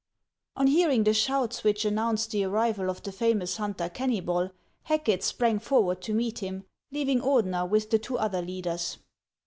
ON hearing the shouts which announced the arrival of the famous hunter Keimybol, Hacket sprang forward to meet him, leaving Ordener with the two other leaders.